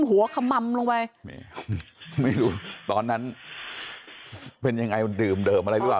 หัวขมัมลงไปไม่รู้ตอนนั้นเป็นยังไงดื่มเดิมอะไรดีกว่า